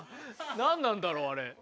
何なんだろうあれ。